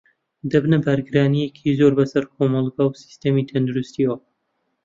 دەبنە بارگرانییەکی زۆر بەسەر کۆمەڵگە و سیستمی تەندروستییەوە